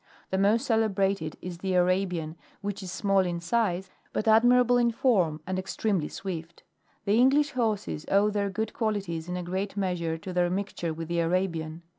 The most celebrated is thetfra6mw, which is small in size but admirable in form, and extremely swift. The English horses owe their good qualities in a great measure to their mixture with the Arabian.